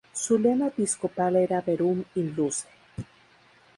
Su lema episcopal era "Verum in luce.